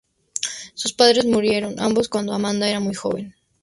Sus padres murieron ambos cuando Amanda era muy joven.